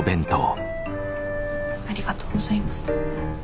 ありがとうございます。